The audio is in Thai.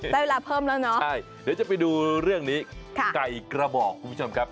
ได้เวลาเพิ่มแล้วเนาะใช่เดี๋ยวจะไปดูเรื่องนี้ไก่กระบอกคุณผู้ชมครับ